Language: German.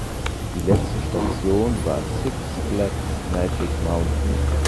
Die letzte Station war Six Flags Magic Mountain.